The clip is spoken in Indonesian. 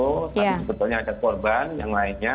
tapi sebetulnya ada korban yang lainnya